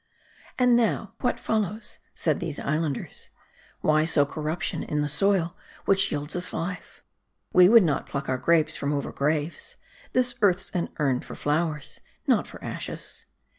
And now, what follows, said these Islanders :" Why sow corruption in the soil which yields us life ? We would not pluck our grapes from over graves. This earth's an urn for flowers, not for ashes."